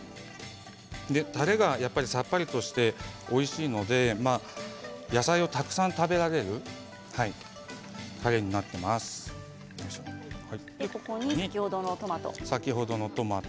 たれは、さっぱりとしておいしいので野菜をたくさん食べられるここに先ほどのトマト。